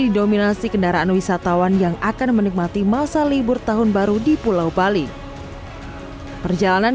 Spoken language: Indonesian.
didominasi kendaraan wisatawan yang akan menikmati masa libur tahun baru di pulau bali perjalanan